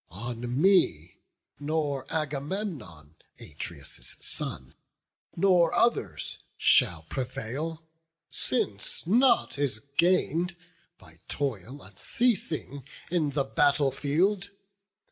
On me nor Agamemnon, Atreus' son, Nor others shall prevail, since nought is gain'd By toil unceasing in the battle field.